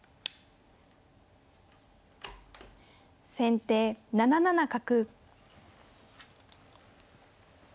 先手７七角。